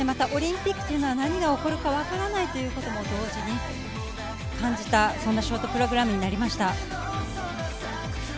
オリンピックは何が起こるかわからないということも同時に感じた、そんなショートプログラムになりました。